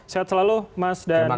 sehat selalu mas dan